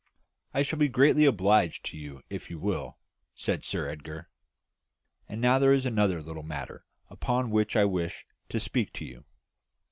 "I shall be greatly obliged to you if you will," said Sir Edgar. "And now there is another little matter upon which I wish to speak to you.